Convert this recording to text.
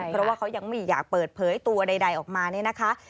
เพราะว่าเขายังไม่อยากเปิดเผยตัวใดออกมาเนี่ยนะคะ